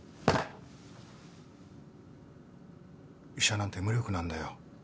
医者なんて無力なんだよ。